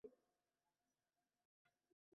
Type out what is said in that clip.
Right, আপনি কিভাবে জানেন?